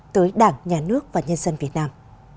tới đảng nhà nước và nhân dân việt nam